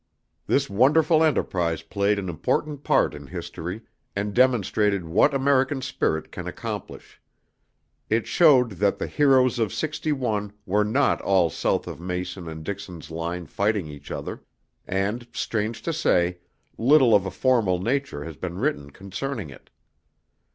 This wonderful enterprise played an important part in history, and demonstrated what American spirit can accomplish. It showed that the "heroes of sixty one" were not all south of Mason and Dixon's line fighting each other. And, strange to say, little of a formal nature has been written concerning it.